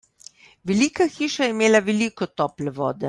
Velika hiša je imela veliko tople vode.